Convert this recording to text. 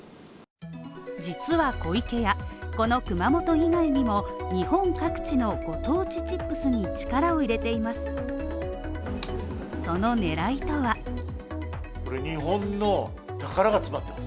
実は湖池屋、この熊本以外にも日本各地のご当地チップスに、力を入れています。